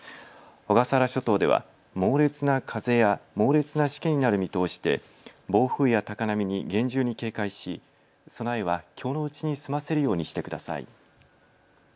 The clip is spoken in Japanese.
小笠原諸島では猛烈な風や猛烈なしけになる見通しで暴風や高波に厳重に警戒し備えはきょうのうちに済ませるようにしてください。